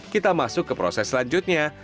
kita masuk ke proses selanjutnya